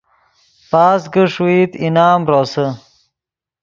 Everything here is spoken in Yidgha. پاس کہ ݰوئیت انعام روسے